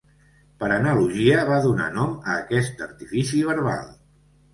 Per analogia va donar nom a aquest artifici verbal.